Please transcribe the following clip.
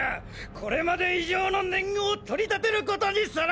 これまで以上の年貢を取り立てることにする！